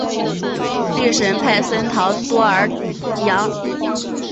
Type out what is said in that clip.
利什派森陶多尔扬。